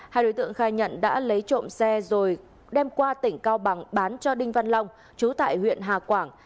hai đối tượng khai nhận đã lấy trộm xe rồi đem qua tỉnh cao bằng bán cho đinh văn long chú tại huyện hà quảng